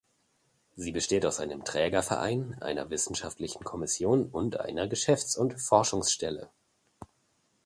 Sie besteht aus einem Trägerverein, einer Wissenschaftlichen Kommission und einer Geschäfts- und Forschungsstelle.